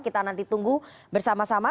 kita nanti tunggu bersama sama